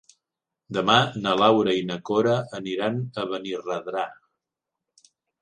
Demà na Laura i na Cora aniran a Benirredrà.